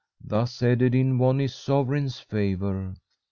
"Thus Ederyn won his sovereign's favour.